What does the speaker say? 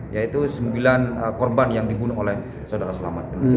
yaitu sembilan korban yang dibunuh oleh saudara selamat